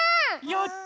やった！